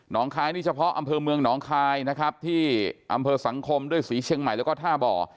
คล้ายนี่เฉพาะอำเภอเมืองหนองคายนะครับที่อำเภอสังคมด้วยศรีเชียงใหม่แล้วก็ท่าบ่อ